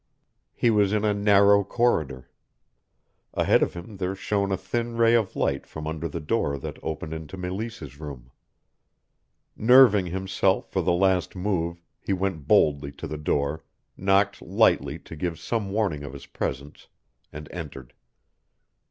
He was in a narrow: corridor. Ahead of him there shone a thin ray of light from under the door that opened into Meleese's room. Nerving himself for the last move, he went boldly to the door, knocked lightly to give some warning of his presence, and entered.